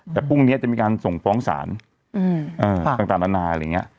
แต่พรุ่งนี้จะมีการส่งฟ้องศาลต่างนานาอะไรอย่างนี้